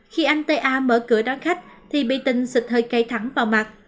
khi anh t a mở cửa đón khách thì bị tình xịt hơi cay thẳng vào mặt